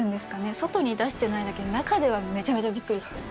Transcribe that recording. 外に出してないだけで、中ではめちゃめちゃびっくりしてます。